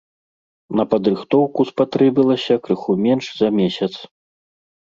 На падрыхтоўку спатрэбілася крыху менш за месяц.